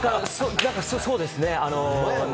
そうですね。